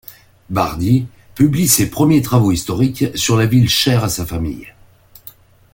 Bardy publie ses premiers travaux historiques sur la ville chère à sa famille.